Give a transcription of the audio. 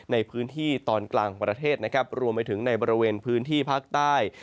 ในพื้นที่ตอนกลางของประเทศนะครับรวมไปถึงในบริเวณพื้นที่ภาคใต้